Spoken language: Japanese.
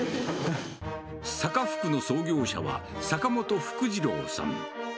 坂福の創業者は、坂本福次郎さん。